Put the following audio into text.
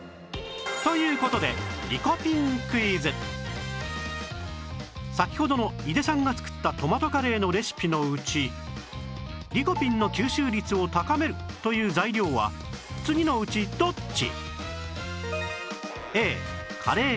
という事で先ほどの井出さんが作ったトマトカレーのレシピのうちリコピンの吸収率を高めるという材料は次のうちどっち？